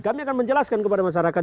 kami akan menjelaskan kepada masyarakat